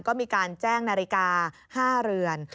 ก็มีการแจ้งนาฬิกา๕เรือน